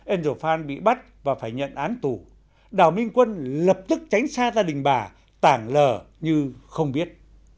angel phan bị bắt và phải nhận án tù đảo minh quân lập tức tránh xa gia đình bà tảng lờ như không biết